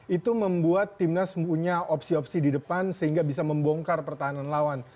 itu membuat timnas punya opsi opsi di depan sehingga bisa membongkar pertahanan lawan